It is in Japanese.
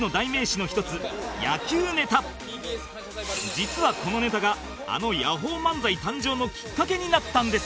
実はこのネタがあのヤホー漫才誕生のきっかけになったんです